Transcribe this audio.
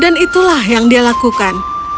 dibanjiri kegembiraan air mata mengalir dari matanya